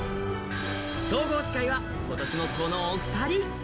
総合司会は今年もこのお二人。